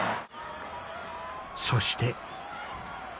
そして。